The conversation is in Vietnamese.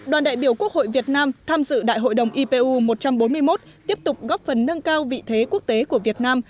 đoàn đại biểu quốc hội việt nam tham dự đại hội đồng ipu một trăm bốn mươi một tiếp tục góp phần nâng cao vị thế quốc tế của việt nam